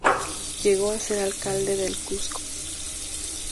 Llegó a ser alcalde del Cusco.